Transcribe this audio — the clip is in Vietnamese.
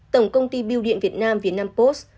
tổng công ty biêu điện việt nam việt nam post